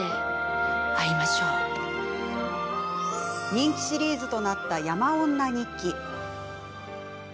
人気シリーズとなった「山女日記」。